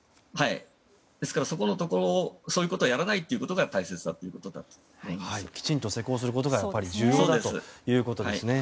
ですから、そういうことをやらないということがきちんと施工することが重要だということですね。